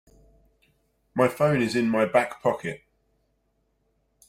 My phone is in my back pocket.